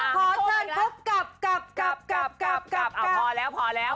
พอเชิญเค้ากลับก็พอแล้วพอแล้ว